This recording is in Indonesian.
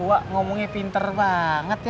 he wak ngomongnya pinter banget ya